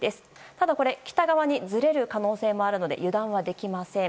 ただ、北側にずれる可能性もあるので油断はできません。